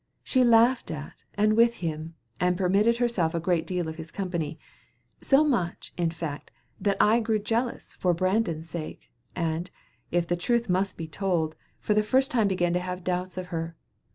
She laughed at, and with him, and permitted herself a great deal of his company; so much, in fact, that I grew a little jealous for Brandon's sake, and, if the truth must be told, for the first time began to have doubts of her.